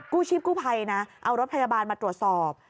ชีพกู้ภัยนะเอารถพยาบาลมาตรวจสอบ